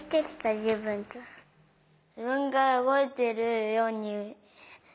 じぶんがうごいてるようにうつってた。